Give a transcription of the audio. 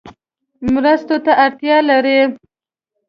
مرستو ته اړتیا لري